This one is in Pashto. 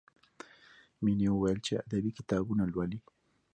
مینې وویل چې ادبي کتابونه لولي